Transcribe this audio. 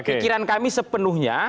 pikiran kami sepenuhnya